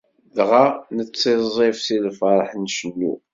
Dɣa nettiẓẓif si lfeṛḥ, ncennu.